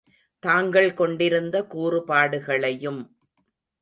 தாங்கள் கொண்டிருந்த கூறுபாடுகளையும்